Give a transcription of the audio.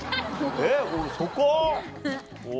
えっそこ？